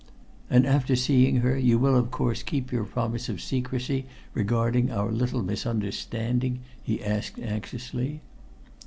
"And after seeing her, you will of course keep your promise of secrecy regarding our little misunderstanding?" he asked anxiously.